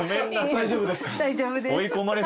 大丈夫です。